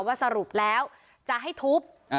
ว่าสรุปแล้วจะให้ทุบ